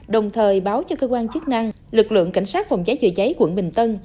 đồng thời báo cho cơ quan chức năng lực lượng cảnh sát phòng cháy chữa cháy quận bình tân